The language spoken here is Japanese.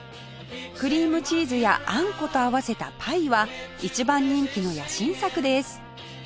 クリームチーズやあんこと合わせたパイは一番人気の野心作です